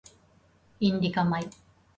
インディカ米